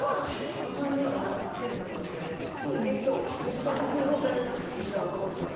この３人が前フジテレビの楽屋で私の楽屋でなぜかみんな集まってたのが。